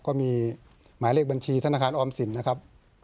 ก็มีหมายเลขบัญชีธนาคารออมสินนะครับ